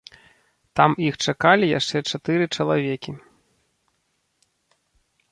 Там іх чакалі яшчэ чатыры чалавекі.